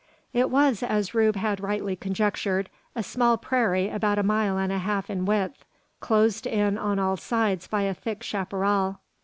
It was, as Rube had rightly conjectured, a small prairie about a mile and a half in width, closed in on all sides by a thick chapparal.